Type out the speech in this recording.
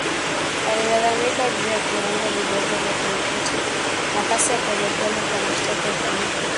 alilalamika juu ya viwango vidogo vya kuripoti na kasi ya pole pole kwa mashtaka ya uhalifu huo